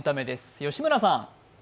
吉村さん。